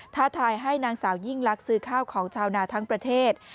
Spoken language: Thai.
ท้าทายให้นางสาวยิ่งลักษณ์ซื้อข้าวของชาวนาทั้งประเทศ